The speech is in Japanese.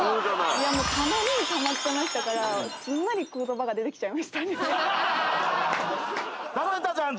いやもうたまりにたまってましたからすんなり言葉が出てきちゃいましたね